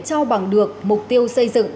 cho bằng được mục tiêu xây dựng